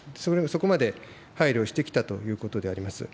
そこまで配慮してきたということであります。